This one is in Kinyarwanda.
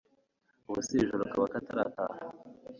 ubwo se iri joro kaba katarataha